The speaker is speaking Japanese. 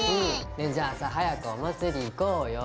じゃあさ早くお祭り行こうよ。